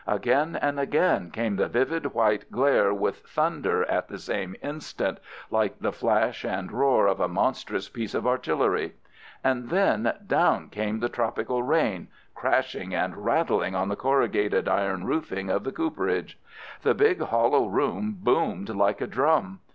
Again and again came the vivid white glare with thunder at the same instant, like the flash and roar of a monstrous piece of artillery. And then down came the tropical rain, crashing and rattling on the corrugated iron roofing of the cooperage. The big hollow room boomed like a drum.